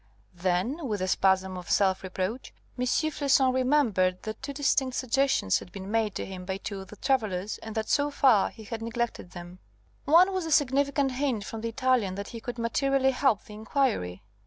Then, with a spasm of self reproach, M. Floçon remembered that two distinct suggestions had been made to him by two of the travellers, and that, so far, he had neglected them. One was the significant hint from the Italian that he could materially help the inquiry.